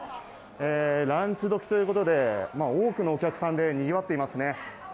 ランチどきということで、多くのお客さんでにぎわっていますね。